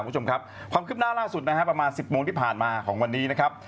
่ความคืบหน้าล่าสุดประมาณ๑๐โมงที่ผ่านมาของวันนี้นะครับ